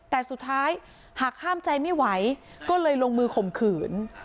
แต่สุดท้ายหากห้ามใจไม่ไหวก็เลยลงมือข่มขืน